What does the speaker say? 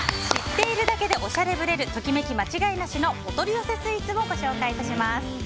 知っているだけでおしゃれぶれるときめき間違いなしのお取り寄せスイーツをご紹介致します。